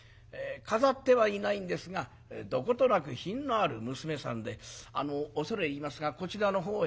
飾ってはいないんですがどことなく品のある娘さんで「あの恐れ入りますがこちらのほうへ」。